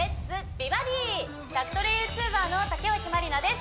美バディ」宅トレＹｏｕＴｕｂｅｒの竹脇まりなです